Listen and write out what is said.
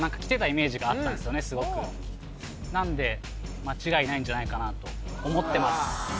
すごくなんで間違いないんじゃないかなと思ってます